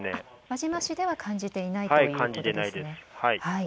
輪島市では感じていないということですね。